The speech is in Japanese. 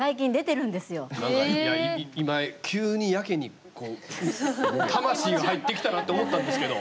今、急にやけに魂が入ってきたなって思ったんですけど。